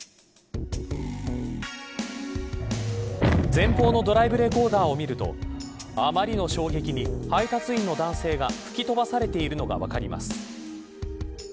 前方のドライブレコーダーを見るとあまりの衝撃に配達員の男性が吹き飛ばされているのが分かります。